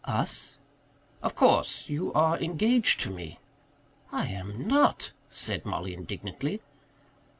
"Us?" "Of course. You are engaged to me." "I am not," said Mollie indignantly.